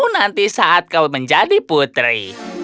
nanti saat kau menjadi putri